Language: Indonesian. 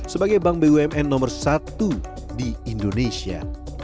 sebagai bank bumn nomor satu di indonesia